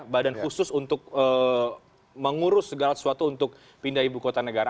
badan khusus untuk mengurus segala sesuatu untuk pindah ibu kota negara